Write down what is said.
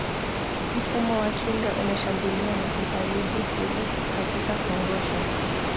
Mfumo wa kinga unashambulia na huharibu seli katika kongosho